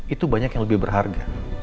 itu banyak yang lebih berharga